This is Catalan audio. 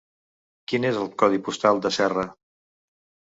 Quin és el codi postal de Serra?